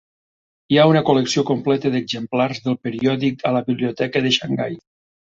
Hi ha una col·lecció completa d'exemplars del periòdic a la Biblioteca de Xangai.